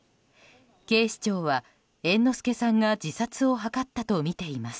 警視庁は、猿之助さんが自殺を図ったとみています。